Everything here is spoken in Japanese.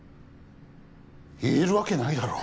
言えるわけないだろ。